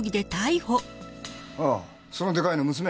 ああそのでかいの娘？